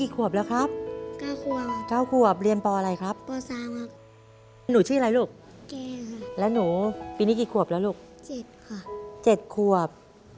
ขอบคุณครับ